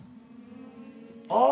あっ。